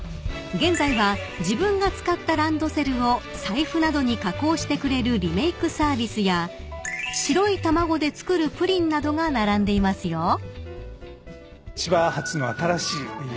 ［現在は自分が使ったランドセルを財布などに加工してくれるリメークサービスや白い卵で作るプリンなどが並んでいますよ］